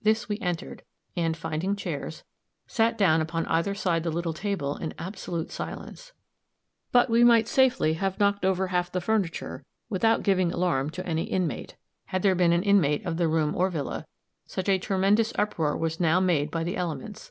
This we entered, and, finding chairs, sat down upon either side the little table in absolute silence. But we might safely have knocked over half the furniture without giving alarm to any inmate had there been an inmate of the room or villa such a tremendous uproar was now made by the elements.